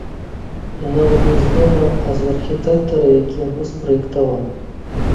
І нават не з дома, а з архітэктара, які яго спраектаваў.